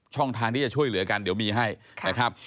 ช่องทางที่จะช่วยเหลือกันเดี๋ยวมีให้นะครับ